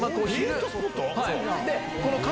はい。